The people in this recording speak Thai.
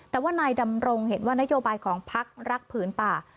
แต่ว่านายดำรงเห็นว่านโยบายของพักรักผืนป่า